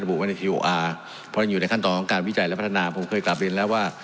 ระบุไว้ในพออยู่ในขั้นต่อของการวิจัยและพัฒนาผมเคยกลับเรียนแล้วว่า